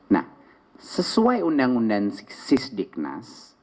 nah sesuai undang undang sis di knas